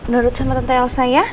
nurut sama tante elsa ya